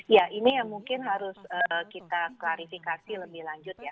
ya ini yang mungkin harus kita klarifikasi lebih lanjut ya